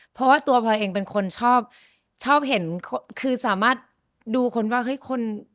เพราะว่าตัวพลอยเองเป็นคนชอบชอบเห็นคือสามารถดูคนว่าเฮ้ยคน